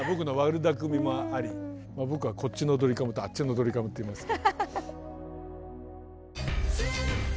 僕はこっちのドリカムとあっちのドリカムっていいますけど。